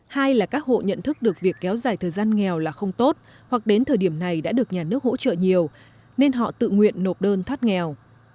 hai là các hộ nhận thức được việc kéo dài thời gian nghèo là không tốt hoặc đến thời điểm này đã được nhà nước hỗ trợ nhiều nên họ tự nguyện nộp đơn thoát nghèo